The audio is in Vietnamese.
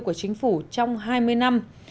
của chính phủ trong hai mươi năm